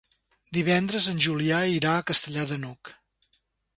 Divendres en Julià irà a Castellar de n'Hug.